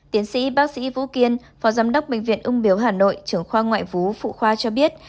tiến sĩ bác sĩ vũ kiên phó giám đốc bệnh viện ung biếu hà nội trưởng khoa ngoại vũ phụ khoa cho biết